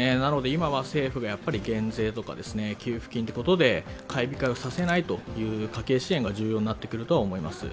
今は政府が減税とか給付金ということで買い控えさせない家計支援が重要になると思います。